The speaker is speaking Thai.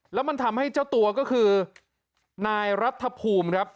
แล้วมันทำให้เจ้าตัวก็คือนายรัฐภูมิครับ